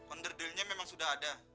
onderdilnya memang sudah ada